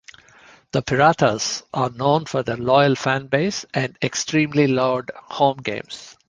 The Piratas are known for their loyal fan-base and extremely loud home games.